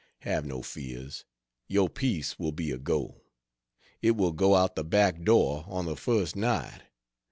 Have no fears. Your piece will be a Go. It will go out the back door on the first night.